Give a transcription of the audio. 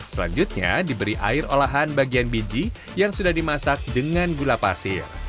selanjutnya diberi air olahan bagian biji yang sudah dimasak dengan gula pasir